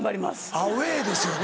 アウェーですよね。